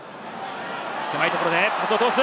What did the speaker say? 狭いところでパスを通す！